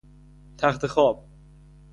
تختخواب